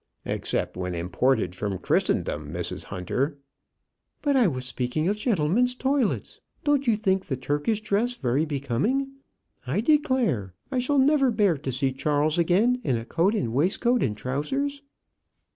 "Except when imported from Christendom, Mrs. Hunter." "But I was speaking of gentlemen's toilets. Don't you think the Turkish dress very becoming? I declare, I shall never bear to see Charles again in a coat and waistcoat and trousers."